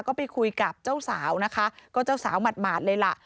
ก็ไปคุยกับเจ้าสาวนะคะก็เจ้าสาวหมาดเลยล่ะ